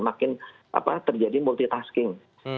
makin terjadi multitasking